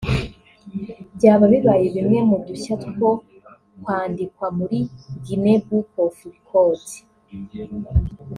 Byaba bibaye bimwe mu dushya two kwandikwa muri “Guiness Book of Records”